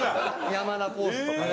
山田ポーズとかね。